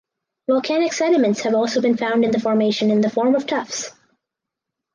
Volcanic sediments have also been found in the formation in the form of tuffs.